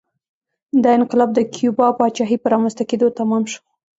دا انقلاب د کیوبا پاچاهۍ په رامنځته کېدو تمام شو